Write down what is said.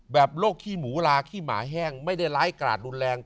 โรคขี้หมูลาขี้หมาแห้งไม่ได้ร้ายกราดรุนแรง